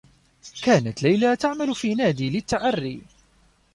كانت ليلى تعمل في ناد للتّعرّي.